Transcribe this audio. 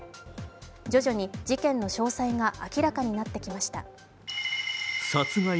徐々に事件の詳細が明らかになってきました。